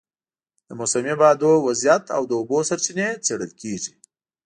د موسمي بادونو وضعیت او د اوبو سرچینې څېړل کېږي.